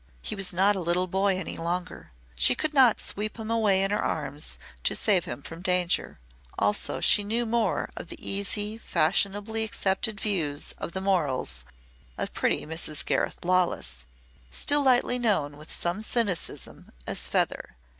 He was not a little boy any longer. She could not sweep him away in her arms to save him from danger. Also she knew more of the easy, fashionably accepted views of the morals of pretty Mrs. Gareth Lawless, still lightly known with some cynicism as "Feather."